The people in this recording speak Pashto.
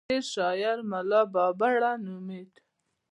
د شعر شاعر ملا بابړ نومېد.